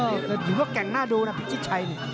อยู่กับแก่งหน้าดูนะพิชิชัย